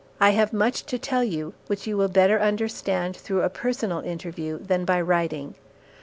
I have much to tell you which you will better understand through a personal interview than by writing.